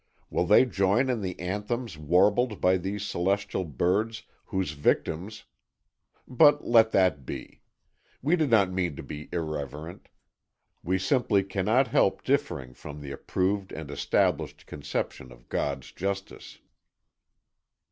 Will they join in the anthems warbled by these celestial birds, whose victims But let that be. We did not mean to be irreverent. We simply cannot help differing from the approved and established conception of God's justice.